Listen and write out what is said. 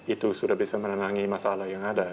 itu sudah bisa menenangi masalah yang ada